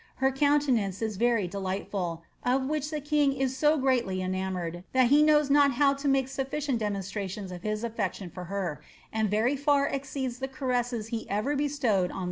Her countenance is very delightful, of which the king is so greatly enamoured, that he knows not how to make sufficient demonstrations of his afi^ction for her, and very hr exceeds the caresses he ever bestowed on the others.